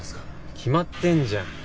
決まってんじゃん。